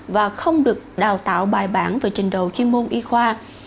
và không được đào tạo bài bản về trình độ chuyên môn y khoa